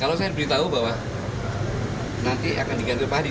kalau saya diberitahu bahwa nanti akan diganti pak adi